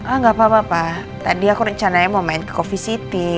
enggak apa apa pa tadi aku rencananya mau main coffeesity